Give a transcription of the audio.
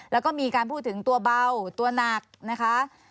แล้วก็มีการพูดถึงตัวเบาตัวหนักนะคะ